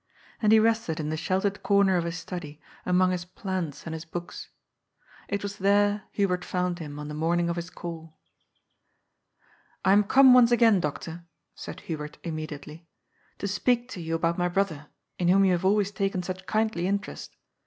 And he rested in the sheltered comer of his study, among his plants and his books. It was there Hubert found him on the morning of his call. " I am come once again. Doctor," said Hubert immedi ately, " to speak to you about my brother, in whom you have always taken such kindly interest.